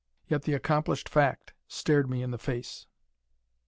Yet the accomplished fact stared me in the face.